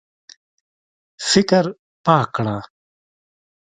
فکر پاک کړه.